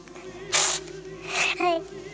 はい。